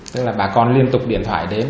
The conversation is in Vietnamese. tức là bà con liên tục điện thoại đến